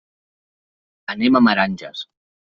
Anem a Meranges.